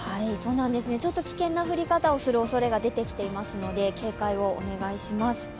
ちょっと危険な降り方をするおそれが出てきてますので警戒をお願いします。